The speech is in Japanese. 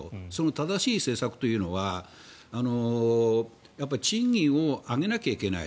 正しい政策というのは賃金を上げなきゃいけない。